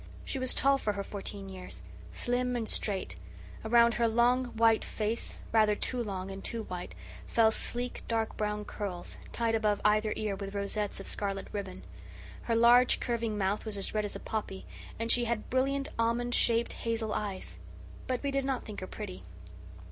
She was tall for her fourteen years, slim and straight; around her long, white face rather too long and too white fell sleek, dark brown curls, tied above either ear with rosettes of scarlet ribbon. Her large, curving mouth was as red as a poppy, and she had brilliant, almond shaped, hazel eyes; but we did not think her pretty.